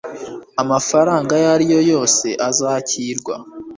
Amafaranga ayo ari yo yose azakirwa